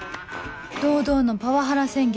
堂々のパワハラ宣言